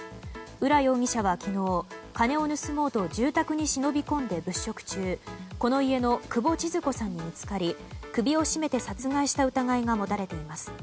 浦容疑者は昨日、金を盗もうと住宅に忍び込んで物色中この家の久保千鶴子さんに見つかり首を絞めて殺害した疑いが持たれています。